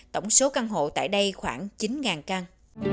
tổng số căn hộ tại đây khoảng chín căn